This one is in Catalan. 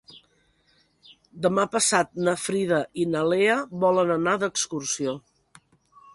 Demà passat na Frida i na Lea volen anar d'excursió.